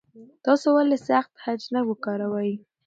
تاسو ولې سخت خج نه وکاروئ؟